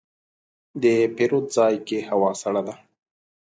د پیرود ځای کې هوا سړه ده.